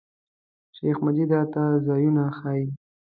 شیخ مجید راته ځایونه ښیي.